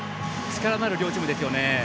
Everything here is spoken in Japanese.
力のある両チームですよね。